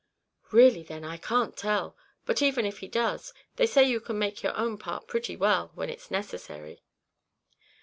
"Really then, I can't tell; but even if he does, they say you can take your own part pretty well, when it's necessary."